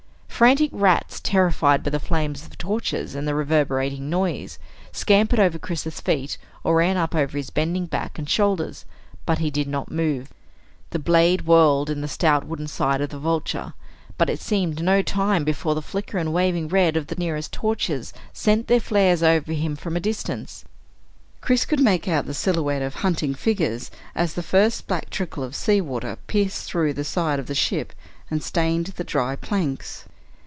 Frantic rats, terrified by the flames of the torches and the reverberating noise, scampered over Chris's feet or ran up over his bending back and shoulders, but he did not move. The blade whirled in the stout wooden side of the Vulture, but it seemed no time before the flicker and wavering red of the nearest torches sent their flares over him from a distance. Chris could make out the silhouette of hunting figures as the first black trickle of sea water pierced through the side of the ship and stained the dry planks.